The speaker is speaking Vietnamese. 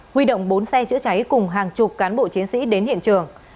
huy động bốn xe chữa cháy cùng hàng chục cán bộ chiến sĩ đến hiện trường